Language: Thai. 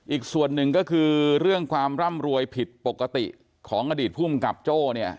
อีกส่วนหนึ่งก็คือเรื่องความร่ำรวยผิดปกติของอดีตภูมิกับโจ้เนี่ย